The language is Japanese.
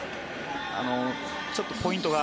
ちょっとポイントが。